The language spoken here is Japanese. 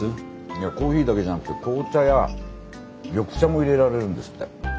いやコーヒーだけじゃなくて紅茶や緑茶もいれられるんですって。